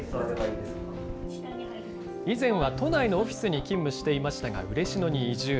以前は都内のオフィスに勤務していましたが、嬉野に移住。